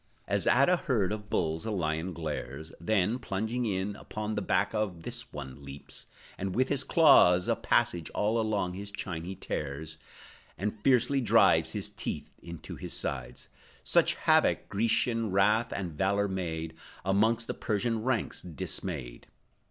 As at a herd of bulls a lion glares, Then, plunging in, upon the back Of this one leaps, and with his claws A passage all along his chine he tears, And fiercely drives his teeth into his sides, Such havoc Grecian wrath and valor made Amongst the Persian ranks, dismayed.